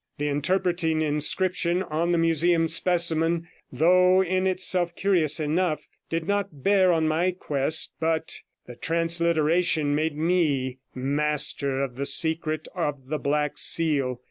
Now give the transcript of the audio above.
The interpreting inscription on the museum specimen, though in itself curious enough, did not bear on my quest, but the transliteration made me master of the secret of the Black Seal.